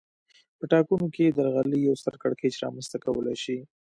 په ټاکنو کې درغلي یو ستر کړکېچ رامنځته کولای شي